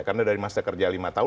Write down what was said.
karena dari masa kerja lima tahun